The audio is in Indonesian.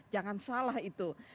jangan salah itu